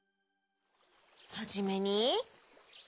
はじめに。